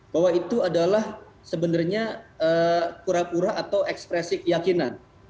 bahwa itu adalah sebenarnya pura pura atau ekspresi keyakinan